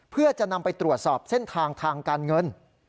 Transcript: เพื่อจะนำไปตรวจสอบเส้นทางทางการเงิน